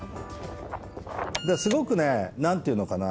すごくね何て言うのかな？